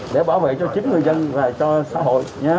để bảo vệ cho chính người dân và cho xã hội